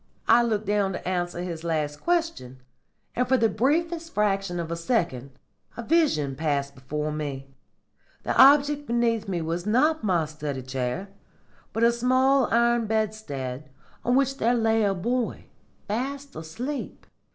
I looked down to answer his last question, and for the briefest fraction of a second a vision passed before me. The object beneath me was not my study chair, but a small iron bedstead on which there lay a boy, fast asleep.